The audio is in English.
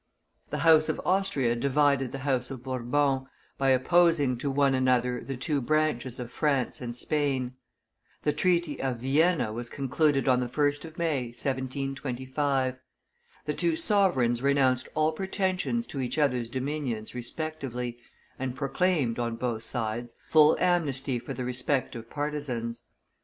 The house of Austria divided the house of Bourbon, by opposing to one another the two branches of France and Spain; the treaty of Vienna was concluded on the 1st of May, 1725. The two sovereigns renounced all pretensions to each other's dominions respectively, and proclaimed, on both sides, full amnesty for the respective partisans.